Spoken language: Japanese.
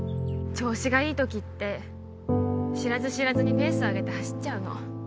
調子がいい時って知らず知らずにペースを上げて走っちゃうの